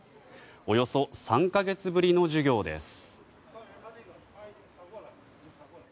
およそ３か月ぶりの授業です。